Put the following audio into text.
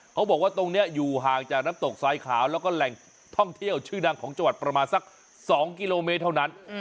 เขาบอกว่าตรงนี้อยู่ห่างจากน้ำตกทรายขาวแล้วก็แหล่งท่องเที่ยวชื่อดังของจังหวัดประมาณสัก๒กิโลเมตรเท่านั้น